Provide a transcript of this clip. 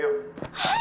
はい！